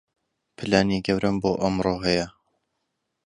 پلانی گەورەم بۆ ئەمڕۆ هەیە.